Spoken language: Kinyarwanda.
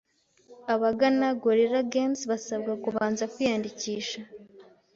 abagana Gorilla Games basabwa kubanza kwiyandikisha